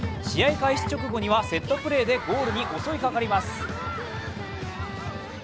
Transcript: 試合開始直後にはセットプレーでゴールに襲いかかります。